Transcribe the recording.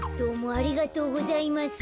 ありがとうございます。